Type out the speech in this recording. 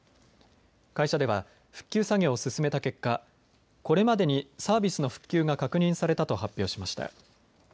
会社では復旧作業を進めた結果、これまでにサービスの復旧が確認されたと発表しました。